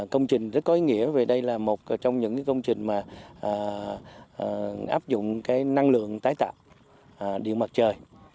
công trình rất có ý nghĩa vì đây là một trong những công trình mà áp dụng cái năng lượng tái tạo điện mặt trời